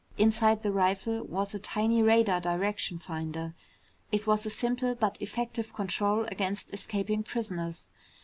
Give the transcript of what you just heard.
Inside the rifle was a tiny radar direction finder. It was a simple but effective control against escaping prisoners.